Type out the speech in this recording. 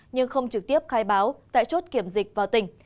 nhưng không trực tiếp khai báo tại chốt kiểm dịch vào tỉnh